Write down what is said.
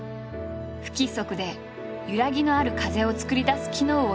不規則でゆらぎのある風を作り出す機能を付けた。